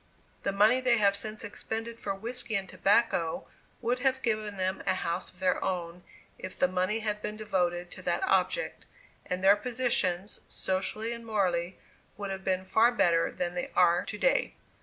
The money they have since expended for whiskey and tobacco, would have given them a house of their own, if the money had been devoted to that object, and their positions, socially and morally, would have been far better than they are to day.